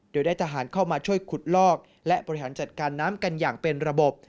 โดยได้ทหารเข้ามาช่วยขุดลอกและบริหารจัดการน้ำกันอย่างเป็นระบบ